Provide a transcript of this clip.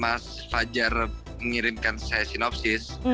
mas fajar mengirimkan saya sinopsis